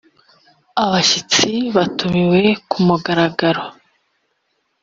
abashyitsi batumiwe ku mugaragaro